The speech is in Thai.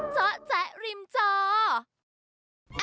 จ๊อจ๊ะริมจอ